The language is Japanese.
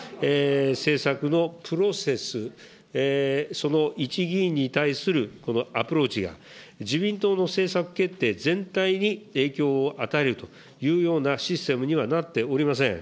政策のプロセス、その一議員に対するこのアプローチが、自民党の政策決定全体に影響を与えるというようなシステムにはなっておりません。